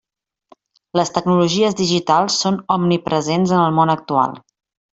Les tecnologies digitals són omnipresents en el món actual.